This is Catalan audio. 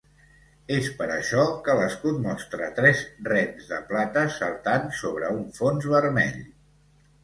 És per això que l'escut mostra tres rens de plata saltant sobre un fons vermell.